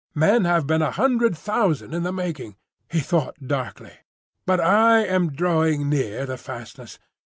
Men have been a hundred thousand in the making." He thought darkly. "But I am drawing near the fastness.